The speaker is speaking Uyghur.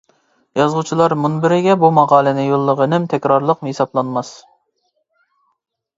يازغۇچىلار مۇنبىرىگە بۇ ماقالىنى يوللىغىنىم تەكرارلىق ھېسابلانماس.